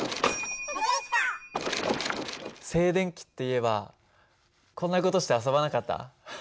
静電気っていえばこんな事して遊ばなかった？